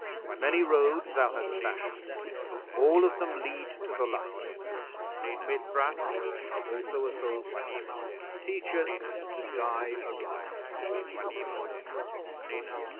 Many roads Thou hast fashioned: all of them lead to the Light! Mithras, also a soldier, teach us to die aright!